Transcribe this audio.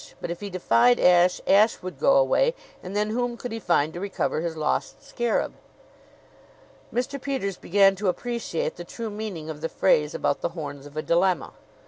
But if he defied Ashe, Ashe would go away; and then whom could he find to recover his lost scarab? Mr. Peters began to appreciate the true meaning of the phrase about the horns of a dilemma.